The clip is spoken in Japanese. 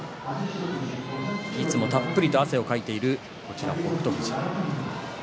いつもたっぷりと汗をかいている北勝富士。